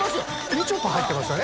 みちょぱ入ってた。